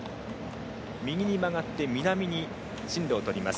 右に曲がって南に進路をとります。